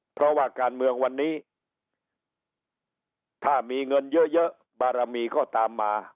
เพราะว่าการเมืองวันนี้ถ้ามีเงินเยอะบารมีก็ตามมา